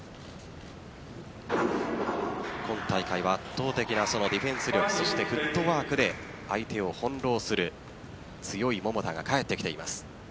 今大会は圧倒的なディフェンス力そして、フットワークで相手を翻弄する強い桃田が帰ってきています。